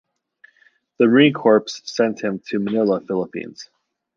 The Marine Corps sent him to Manila, Philippines.